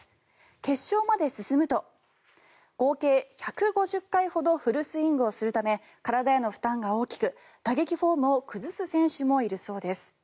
決勝まで進むと合計１５０回ほどフルスイングをするため体への負担が大きく打撃フォームを崩す選手もいるそうです。